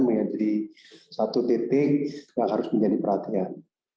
menjadi satu titik yang harus menjadi perhatian